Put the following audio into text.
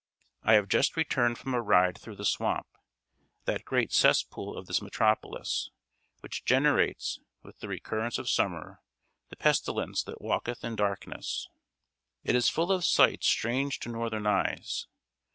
I have just returned from a ride through the swamp that great cesspool of this metropolis, which generates, with the recurrence of summer, the pestilence that walketh in darkness. It is full of sights strange to northern eyes.